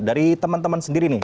dari teman teman sendiri nih